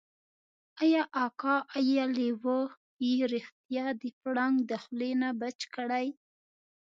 ای اکا ای لېوه يې رښتيا د پړانګ د خولې نه بچ کړی.